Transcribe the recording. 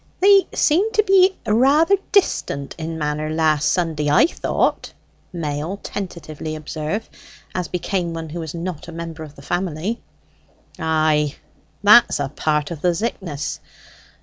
'" "They seemed to be rather distant in manner last Sunday, I thought?" Mail tentatively observed, as became one who was not a member of the family. "Ay, that's a part of the zickness.